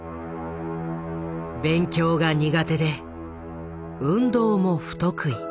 勉強が苦手で運動も不得意。